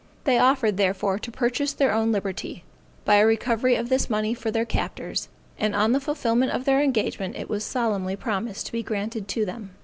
They offered, therefore, to purchase their own liberty, by a recovery of this money for their captors; and on the fulfillment of their engagement it was solemnly promised to be granted to them.